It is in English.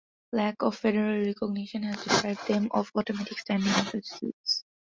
Lack of federal recognition has deprived them of automatic standing in such suits.